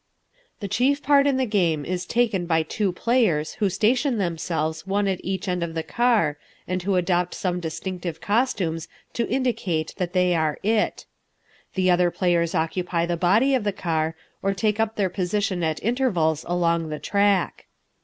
The chief part in the game is taken by two players who station themselves one at each end of the car, and who adopt some distinctive costumes to indicate that they are "it." The other players occupy the body of the car, or take up their position at intervals along the track.